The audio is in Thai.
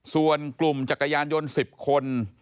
ส่วนกลุ่มจักรยานยนต์๑๐คน